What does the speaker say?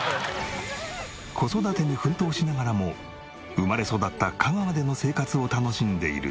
子育てに奮闘しながらも生まれ育った香川での生活を楽しんでいる中野アナ。